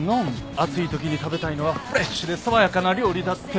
暑いときに食べたいのはフレッシュで爽やかな料理だってば。